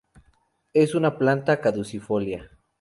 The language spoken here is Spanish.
Es una planta caducifolia.